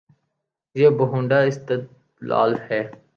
یہ بھونڈا استدلال ہے۔